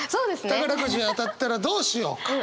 宝くじ当たったらどうしようか。